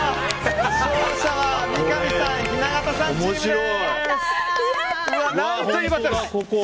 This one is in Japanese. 勝者は三上さん、雛形さんチームです！